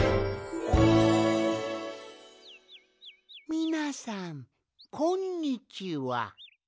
みなさんこんにちは。